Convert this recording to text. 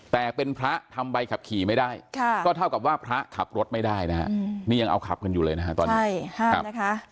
แต่เป็นพระทำใบขับขี่ไม่ได้ก็เท่ากับว่าพระขับรถไม่ได้นะนี่ยังเอาขับกันอยู่เลยนะครับ